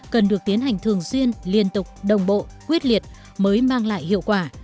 cần được tiến hành thường xuyên liên tục đồng bộ quyết liệt mới mang lại hiệu quả